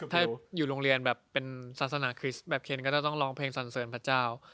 ถ้าอยู่โรงเรียนแบบเป็นศาสนาคริสต์แบบเคนก็จะต้องร้องเพลงสันเสริญพระเจ้า